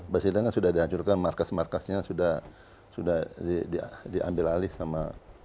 persidangan kan sudah dihancurkan markas markasnya sudah diambil alih sama